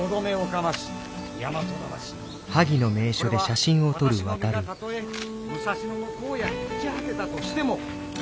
これは「私の身がたとえ武蔵野の荒野に朽ち果てたとしても」。